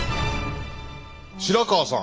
白川さん